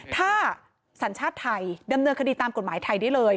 ถ้าสัญชาติไทยดำเนินคดีตามกฎหมายไทยได้เลย